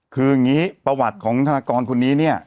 คืออย่างนี้ประวัติของธนากรคนนี้เนี่ย